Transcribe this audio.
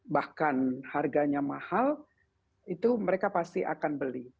bahkan harganya mahal itu mereka pasti akan beli